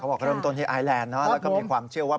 บอกเริ่มต้นที่ไอแลนด์แล้วก็มีความเชื่อว่า